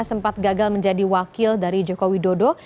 sempat gagal menjadi wakil dari joko widodo